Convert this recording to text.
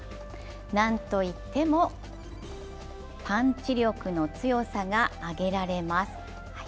なんといっても、パンチ力の強さが挙げられます。